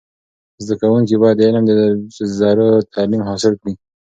زده کوونکي باید د علم د زرو تعلیم حاصل کړي.